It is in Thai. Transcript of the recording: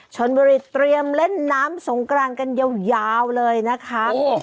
ชนบุรีเตรียมเล่นน้ำสงกรานกันยาวเลยนะคะ